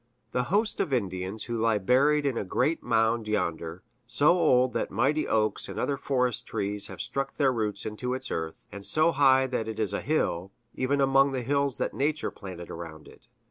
the host of Indians who lie buried in a great mound yonder so old that mighty oaks and other forest trees have struck their roots into its earth; and so high that it is a hill, even among the hills that Nature planted around it.